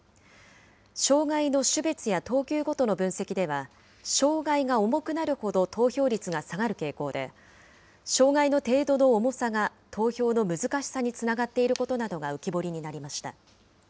障害の種別や等級ごとの分析では、障害が重くなるほど投票率が下がる傾向で、障害の程度の重さが投票の難しさにつながっていることなどが浮き彫りになりました。